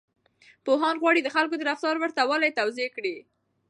پوهان غواړي د خلکو د رفتار ورته والی توضيح کړي.